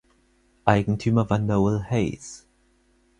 Eigentümer war Noel Hayes.